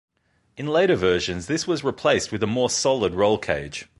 In later versions this was replaced with a more solid roll cage.